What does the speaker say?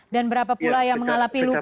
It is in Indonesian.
dan berapa pula yang mengalami luka